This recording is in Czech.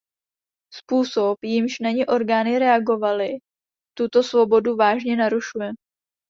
Způsob, jímž na ni orgány reagovaly, tuto svobodu vážně narušuje.